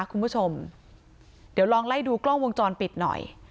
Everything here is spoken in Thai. คุณผู้ชมเดี๋ยวลองไล่ดูกล้องวงจรปิดหน่อย